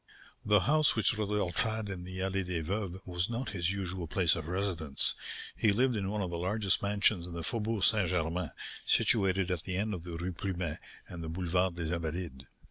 The house which Rodolph had in the Allée des Veuves was not his usual place of residence; he lived in one of the largest mansions in the Faubourg St. Germain, situated at the end of the Rue Plumet and the Boulevard des Invalides.